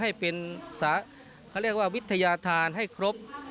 ให้เป็นเขาเรียกว่าวิทยาธารให้ครบ